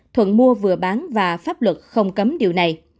thuận mua vừa bán và pháp luật không cấm điều này